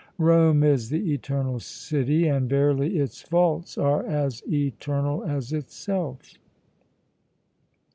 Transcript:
Rome is the Eternal City and verily its faults are as eternal as itself!"